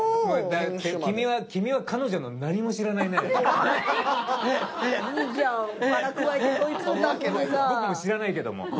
僕も知らないけども。